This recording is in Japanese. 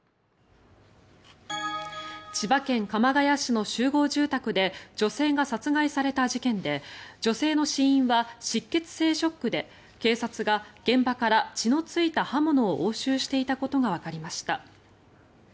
千葉県鎌ケ谷市の集合住宅で女性が殺害された事件で女性の死因は失血性ショックで警察が現場から血のついた刃物を押収していたことがわかりました。